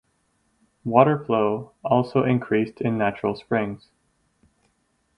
Water flow also increased in natural springs.